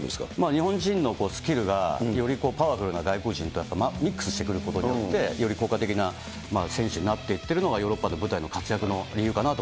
日本人のスキルがよりパワフルな、ミックスしてくることによって、より効果的な選手になっていってるのがヨーロッパの舞台での活躍